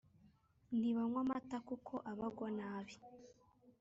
ntibanywa amata kuko abagwa nabi.